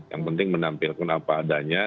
yang penting menampilkan apa adanya